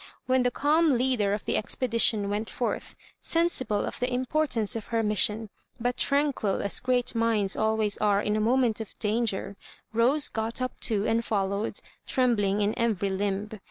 When the calm leader of the expedition went forth, sensible of the im portance of her mission, but tranquil as great minds always are in a moment of danger, Rose got up too and followed, trembling in every limb.